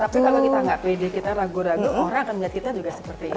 tapi kalau kita nggak pede kita ragu ragu orang akan melihat kita juga seperti itu